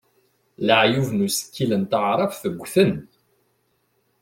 Leɛyub n usekkil n taɛrabt ggten.